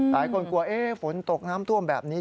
หลายคนกลัวฝนตกน้ำท่วมแบบนี้